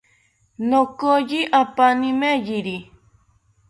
Nokoyi apani meyiri